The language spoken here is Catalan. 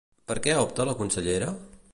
Per què opta la consellera?